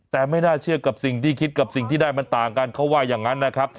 แต่ไม่น่าเชื่อกับสิ่งที่คิดกับสิ่งที่ได้มันต่างกันเขาว่าอย่างนั้นนะครับ